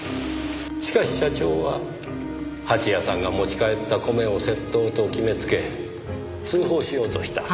しかし社長は蜂矢さんが持ち帰った米を窃盗と決めつけ通報しようとした。